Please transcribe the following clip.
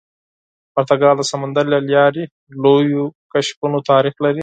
پرتګال د سمندر له لارې لویو کشفونو تاریخ لري.